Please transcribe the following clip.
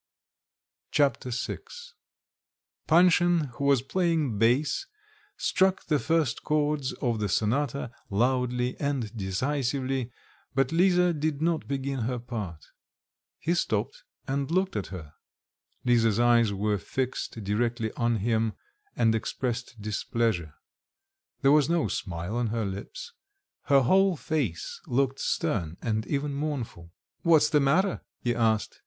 Chapter VI Panshin, who was playing bass, struck the first chords of the sonata loudly and decisively, but Lisa did not begin her part. He stopped and looked at her. Lisa's eyes were fixed directly on him, and expressed displeasure. There was no smile on her lips, her whole face looked stern and even mournful. "What's the matter?" he asked.